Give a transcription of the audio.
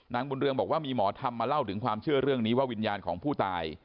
นางบุญเรืองบอกว่ามีหมอธรรมมาเล่าถึงความเชื่อเรื่องนี้ว่าวิญญาณของผู้ตาย